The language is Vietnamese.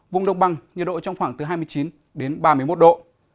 vùng đông băng nhiệt độ trong khoảng hai mươi chín ba mươi một độ